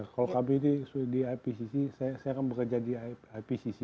kalau kb di ipcc saya akan bekerja di ipcc